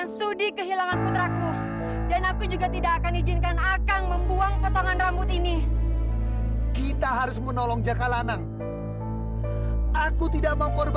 sampai jumpa di video selanjutnya